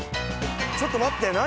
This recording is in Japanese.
ちょっと待って何？